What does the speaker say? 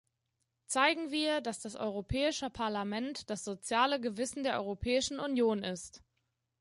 Zeigen wir, dass das Europäische Parlament das soziale Gewissen der Europäischen Union ist!